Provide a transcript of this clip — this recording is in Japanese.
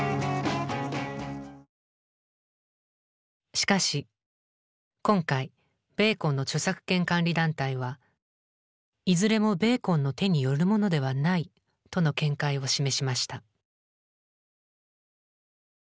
しかし今回ベーコンの著作権管理団体は「いずれもベーコンの手によるものではない」との見解を示しました。